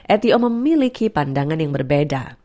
etio memiliki pandangan yang berbeda